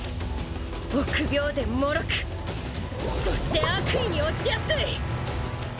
臆病でもろくそして悪意に落ちやすい。